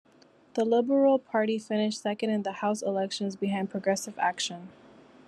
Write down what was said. The Liberal Party finished second in the House elections behind Progressive Action.